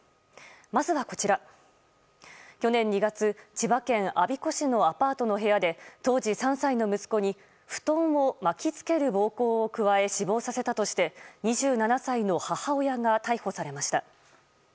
まずはこちら、去年２月千葉県我孫子市のアパートの部屋で当時３歳の息子に布団を巻き付ける暴行を加え死亡させたとして２７歳の母親が逮捕されました。